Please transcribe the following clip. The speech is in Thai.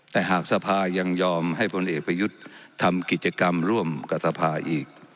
แต่หากสภายังยอมให้พลเอกประยุทธ์ทำกิจกรรมร่วมกับสภาอีก